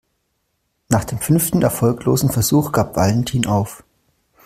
Nach dem fünften erfolglosen Versuch gab Valentin auf.